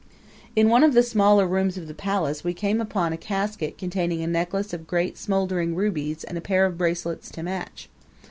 In one of the smaller rooms of the palace we came on a casket containing a necklace of great smoldering rubies and a pair of bracelets to match.